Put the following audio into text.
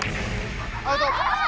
アウト！